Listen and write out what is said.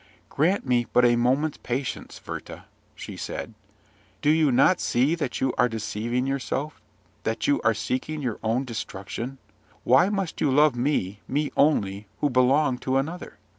"Grant me but a moment's patience, Werther," she said. "Do you not see that you are deceiving yourself, that you are seeking your own destruction? Why must you love me, me only, who belong to another?